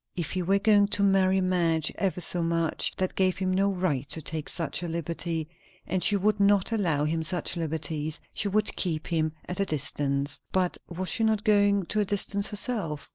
If he were going to marry Madge ever so much, that gave him no right to take such a liberty; and she would not allow him such liberties; she would keep him at a distance. But was she not going to a distance herself?